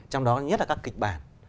trong đó nhất là các kịch bản